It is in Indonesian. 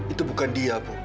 itu bukan dia bu